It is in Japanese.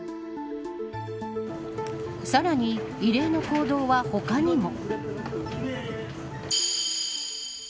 さらに、異例の行動は他にも。